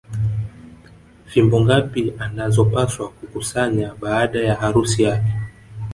Fimbo ngapi anazopaswa kukusanya baada ya harusi yake